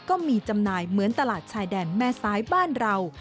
ก็มีจำหน่ายเหมือนตลาดชายแดนแม่ซ้ายบ้านเรา